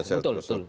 iya betul betul